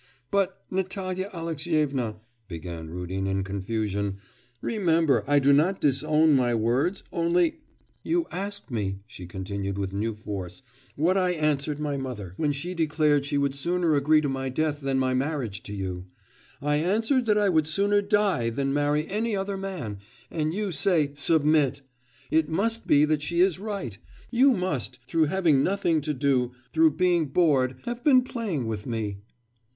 'But, Natalya Alexyevna,' began Rudin in confusion, 'remember I do not disown my words only ' 'You asked me,' she continued with new force, 'what I answered my mother, when she declared she would sooner agree to my death than my marriage to you; I answered that I would sooner die than marry any other man... And you say, "Submit!" It must be that she is right; you must, through having nothing to do, through being bored, have been playing with me.